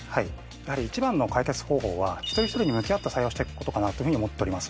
やはり一番の解決方法は一人一人に向き合った採用をしていくことかなというふうに思っております。